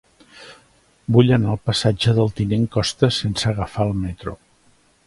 Vull anar al passatge del Tinent Costa sense agafar el metro.